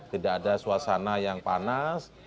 tidak ada suasana yang panas